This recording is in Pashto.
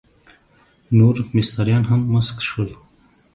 نور مستریان هم مسک شول.